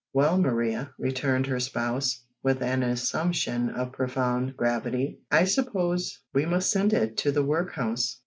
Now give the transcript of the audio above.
"Well, Mariar," returned her spouse, with an assumption of profound gravity, "I suppose we must send it to the workhouse."